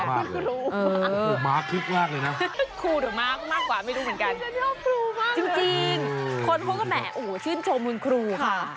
อันนี่แหละ